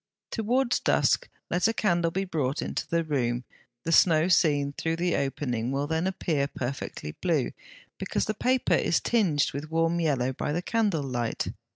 Towards dusk let a candle be brought into the room; the snow seen through the opening will then appear perfectly blue, because the paper is tinged with warm yellow by the candle light.